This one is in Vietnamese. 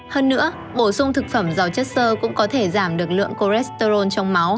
hơn nữa bổ sung thực phẩm giàu chất sơ cũng có thể giảm được lượng cholesterol trong máu